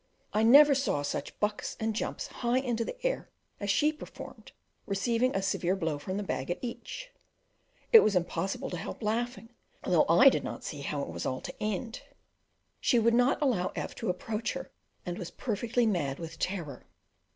I never saw such bucks and jumps high into the air as she performed receiving a severe blow from the bag at each; it was impossible to help laughing, though I did not see how it was all to end. She would not allow F to approach her, and was perfectly mad with terror.